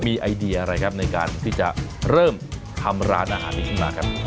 มีไอเดียอะไรครับในการที่จะเริ่มทำร้านอาหารนี้ขึ้นมาครับ